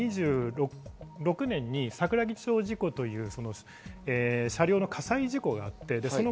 昭和２６年に桜木町事故という車両の火災事故がありました。